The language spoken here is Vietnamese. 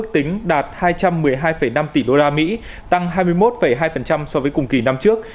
tăng hai mươi một hai so với cùng kỳ năm trước